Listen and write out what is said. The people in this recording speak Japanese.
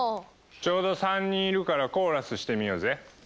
ちょうど３人いるからコーラスしてみようぜ。